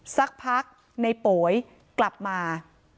สักพักในโป๋ยกลับมา